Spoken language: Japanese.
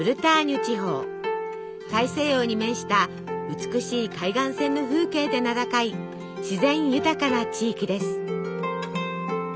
大西洋に面した美しい海岸線の風景で名高い自然豊かな地域です。